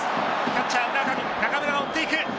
キャッチャー・中村が追っていく。